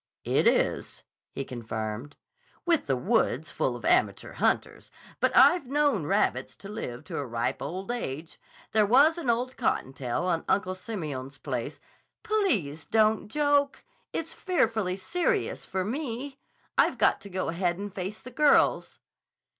"It is," he confirmed, "with the woods full of amateur hunters. But I've known rabbits to live to a ripe old age. There was an old cottontail on Uncle Simeon's place—" "Please don't joke. It's fearfully serious for me. I've got to go ahead and face the girls."